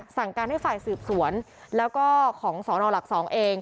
สั่งการให้ฝ่ายสืบสวนแล้วก็ของสนหลัก๒เอง